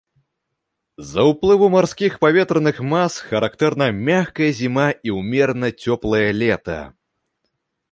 З-за ўплыву марскіх паветраных мас характэрна мяккая зіма і ўмерана цёплае лета.